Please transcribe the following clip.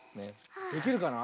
できるかな？